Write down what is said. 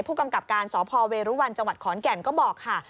ผู้กำกับการสพเวรุวันจังหวัดขอนแก่นก็บอกค่ะ